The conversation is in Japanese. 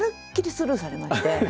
スルーされまして。